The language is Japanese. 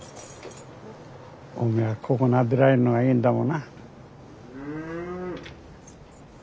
おめえはここなでられんのがいいんだもんな。